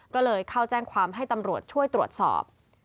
ก็เลยเข้าแจ้งความให้ตำรวจช่วยตรวจสอบ